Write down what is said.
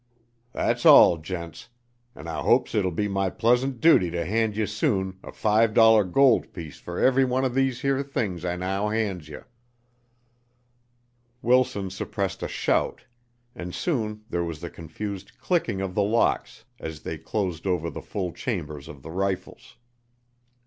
Thet's all, gents, an' I hopes it will be my pleasant duty to hand ye soon a five dollar gold piece fer everyone of these here things I now hands ye." Wilson suppressed a shout, and soon there was the confused clicking of the locks as they closed over the full chambers of the rifles.